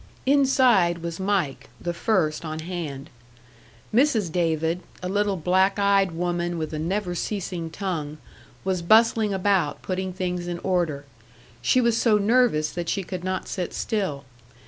Inside was Mike the first on hand. Mrs. David, a little black eyed woman with a never ceasing tongue, was bustling about, putting things in order; she was so nervous that she could not sit still.